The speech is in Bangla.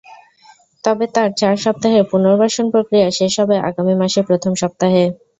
তবে তাঁর চার সপ্তাহের পুনর্বাসন প্রক্রিয়া শেষ হবে আগামী মাসের প্রথম সপ্তাহে।